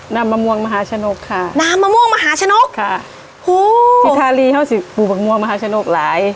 น้ำมะม่วงมหาชนกค่ะน้ำมะม่วงมหาชนกค่ะโหสิบปูมะม่วงมหาชนกหลาย